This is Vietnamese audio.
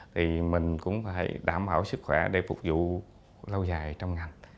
thì mình cũng phải đảm bảo sức khỏe để phục vụ lâu dài trong ngành